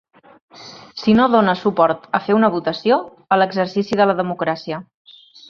Si no dóna suport a fer una votació, a l’exercici de la democràcia.